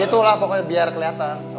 itulah pokoknya biar kelihatan